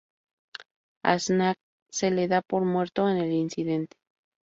A Snake se le da por muerto en el incidente.